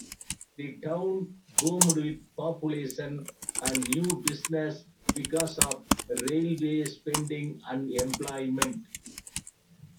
The town boomed with population and new businesses because of railway spending and employment.